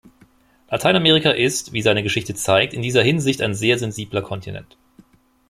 Lateinamerika ist, wie seine Geschichte zeigt, in dieser Hinsicht ein sehr sensibler Kontinent.